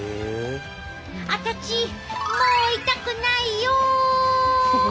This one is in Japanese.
あたちもう痛くないよ！